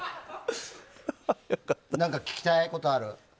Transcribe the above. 何か聞きたいことある？